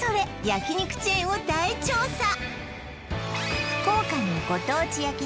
焼肉チェーンを大調査！